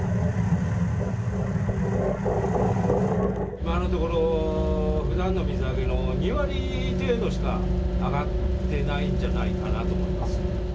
今のところ、ふだんの水揚げの２割程度しか揚がってないんじゃないかなと思います。